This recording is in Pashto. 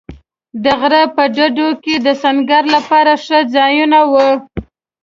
د غره په ډډو کې د سنګر لپاره ښه ځایونه و.